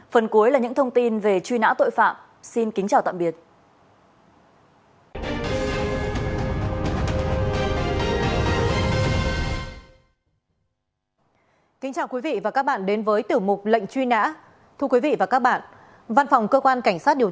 phần cuối là những thông tin về truy nã tội phạm xin kính chào tạm biệt